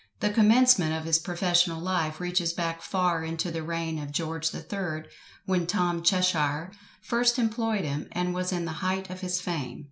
The commencement of his professional life reaches back far into the reign of George the Third, when Tom Cheshire first employed him, and was in the height of his fame.